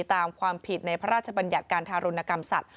ตามความผิดในพระราชบัญญัติการทารุณกรรมสัตว